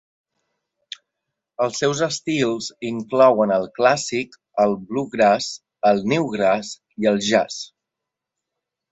Els seus estils inclouen el clàssic, el bluegrass, el newgrass i el jazz.